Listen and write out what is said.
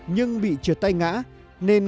nhưng bị trượt tay ngã nên